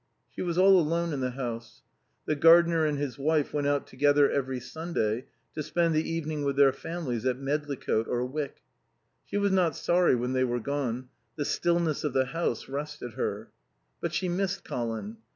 She was all alone in the house. The gardener and his wife went out together every Sunday to spend the evening with their families at Medlicote or Wyck. She was not sorry when they were gone; the stillness of the house rested her. But she missed Colin.